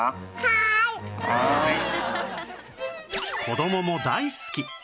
子どもも大好き！